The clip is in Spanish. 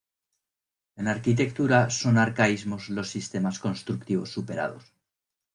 En arquitectura son arcaísmos los sistemas constructivos superados.